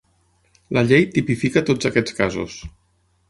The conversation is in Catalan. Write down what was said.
La llei tipifica tots aquests casos.